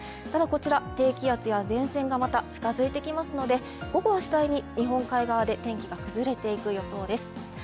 ただ、こちら、低気圧や前線がまた近づいてきますので午後は、次第に日本海側で天気が崩れていく予想です。